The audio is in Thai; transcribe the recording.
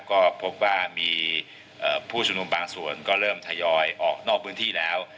ก็พบว่ามีผู้ชุมนุมบางส่วนก็เริ่มทยอยออกนอกพื้นที่แล้ว